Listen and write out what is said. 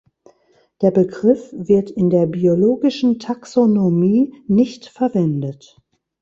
Der Begriff wird in der biologischen Taxonomie nicht verwendet.